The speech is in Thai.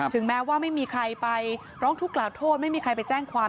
แม้ว่าไม่มีใครไปร้องทุกข์กล่าวโทษไม่มีใครไปแจ้งความ